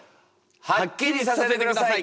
はっきりさせてください！